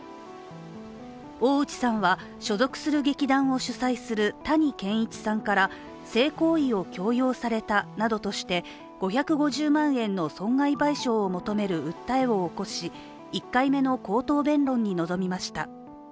大内さんは、所属する劇団を主宰する谷賢一さんから性行為を強要されたなどとして５５０万円の損害賠償を求める訴えを起こし１回目の口頭弁論に臨みました。